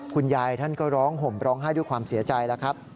คุณยายท่านก็ร้องห่มร้องไห้ด้วยความเสียใจแล้วครับ